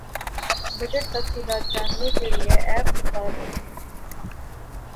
budget تفصیلات جاننے کیلئے ایپ متعارف